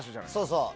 そうそう。